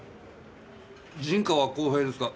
陣川公平ですか？